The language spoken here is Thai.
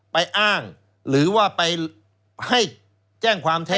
อ้างหรือว่าไปให้แจ้งความเท็จ